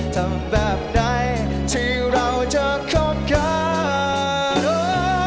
ทำแบบใดที่เราจะคบกัน